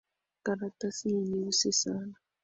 Karatasi ni nyeusi sana.